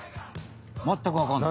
全くわかんない。